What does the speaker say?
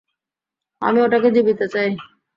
আমি ওটাকে জীবিত চাই।